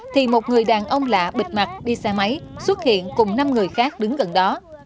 thì một người đàn ông lạ bịt mặt đi xe máy xuất hiện cùng năm người khác đứng gần đó